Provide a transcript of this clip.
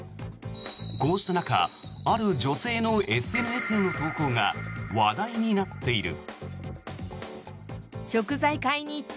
こうした中、ある女性のＳＮＳへの投稿が話題になっている。